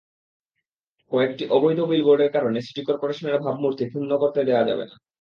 কয়েকটি অবৈধ বিলবোর্ডের কারণে সিটি করপোরেশনের ভাবমূর্তি ক্ষুণ্ন করতে দেওয়া যাবে না।